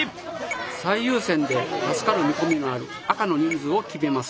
最優先で助かる見込みのある赤の人数を決めます。